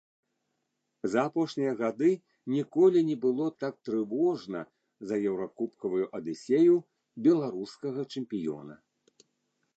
За апошнія гады ніколі не было так трывожна за еўракубкавую адысею беларускага чэмпіёна.